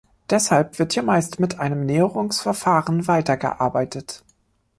Deshalb wird hier meist mit einem Näherungsverfahren weitergearbeitet.